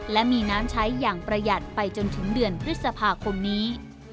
และมีน้ำใช้อย่างประหยัดไปจนถึงเดือนพฤษภาคมนี้